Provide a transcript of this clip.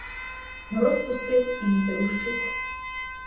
Мороз пустив і вітер ущух.